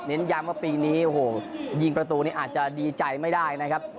ย้ำว่าปีนี้โอ้โหยิงประตูนี้อาจจะดีใจไม่ได้นะครับ